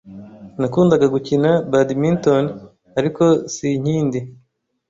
Nakundaga gukina badminton, ariko sinkindi.